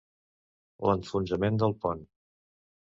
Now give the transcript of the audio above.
L'enfonsament del pont.